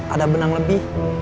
ada benang lebih